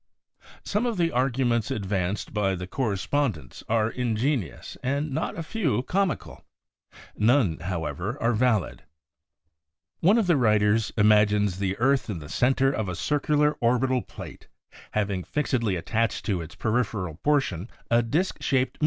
Some of the arguments advanced by the correspondents are ingenious and not a few comical. None, how ever, are valid. One of the writers imagines the earth in the center of a circular or bital plate, having fixedly attached to its periperal portion a disk shaped